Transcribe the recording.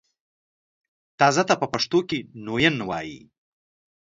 تازه ته په پښتو کښې نوين وايي